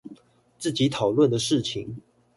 自己討論的事情